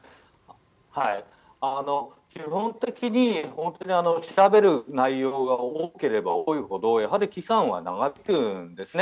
基本的に調べる内容が多ければ多いほど期間は長引くんですね。